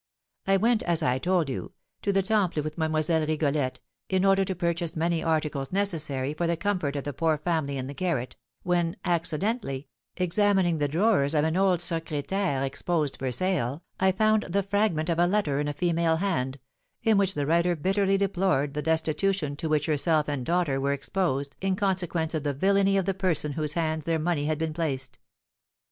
I went, as I told you, to the Temple with Mlle. Rigolette in order to purchase many articles necessary for the comfort of the poor family in the garret, when, accidentally examining the drawers of an old secrétaire exposed for sale, I found the fragment of a letter in a female hand, in which the writer bitterly deplored the destitution to which herself and daughter were exposed in consequence of the villainy of the person in whose hands their money had been placed.